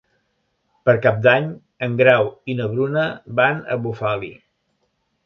Per Cap d'Any en Grau i na Bruna van a Bufali.